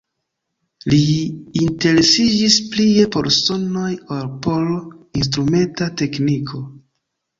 Li interesiĝis plie por sonoj ol por instrumenta tekniko.